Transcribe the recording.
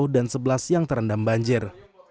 dan sebelas yang terendam banjir